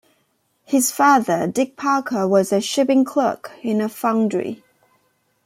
His father, Dick Parker, was a shipping clerk in a foundry.